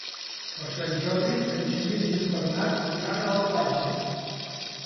Per Sant Jordi en Genís i en Bernat iran a la platja.